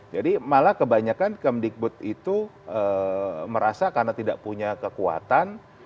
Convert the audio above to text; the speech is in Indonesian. jadi malah kebanyakan kemdikbud itu merasa karena tidak punya kekuatan